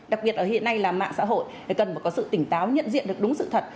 đặc biệt là hiện nay là mạng xã hội cần phải có sự tỉnh táo nhận diện được đúng sự thật